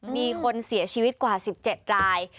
มีคนเสียชีวิตกว่า๑๗ราย